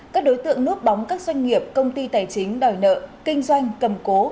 các đối tượng núp bóng các doanh nghiệp công ty tài chính đòi nợ kinh doanh cầm cố